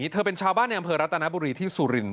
เธอเป็นชาวบ้านในอำเภอรัตนบุรีที่สุรินท